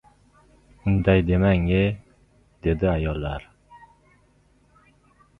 — Unday demang-ye, — dedi ayollar.